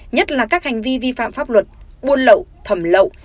nhất là các hành vi vi phạm pháp luật buôn lậu thẩm lậu